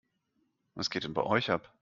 Was geht denn bei euch ab?